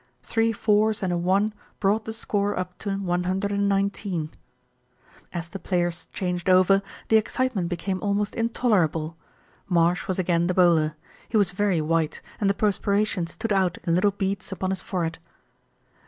Three fours and a one brought the score up to 119. As the players changed over, the excitement became almost intolerable. Marsh was again the bowler. He was very white, and the perspiration stood out in little beads upon his forehead.